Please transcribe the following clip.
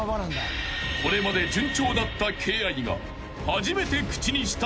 ［これまで順調だったＫＡＹ−Ｉが］